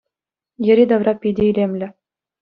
Йӗри-тавра питӗ илемлӗ.